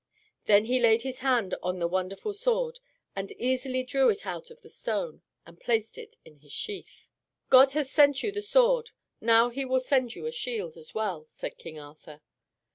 Then he laid his hand on the wonderful sword, and easily drew it out of the stone, and placed it in his sheath. "God has sent you the sword, now He will send you a shield as well," said King Arthur.